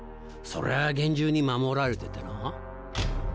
そりゃ厳重に守られててな。